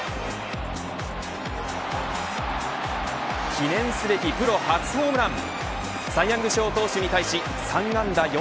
記念すべきプロ初ホームラン。